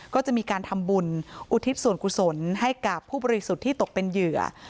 ก็จะมีการทำบุญอุทิศส่วนกุศลให้กับผู้บริสุทธิ์ที่ตกเป็นเหยื่อ